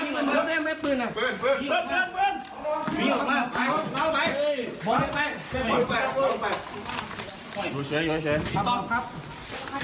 ครับคุณเพลง